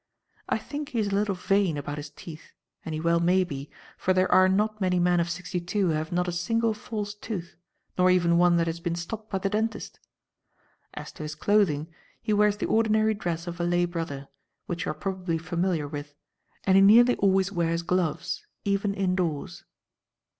I think he is a little vain about his teeth and he well may be, for there are not many men of sixty two who have not a single false tooth, nor even one that has been stopped by the dentist. As to his clothing, he wears the ordinary dress of a lay brother, which you are probably familiar with, and he nearly always wears gloves, even indoors."